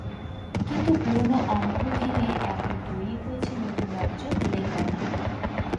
কিন্তু পুরনো অন্ধ্র ভেঙ্গে এখন তৈরি হয়েছে নতুন রাজ্য তেলেঙ্গানা।